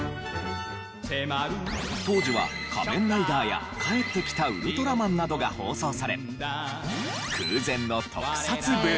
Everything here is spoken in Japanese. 当時は『仮面ライダー』や『帰ってきたウルトラマン』などが放送され空前の特撮ブーム。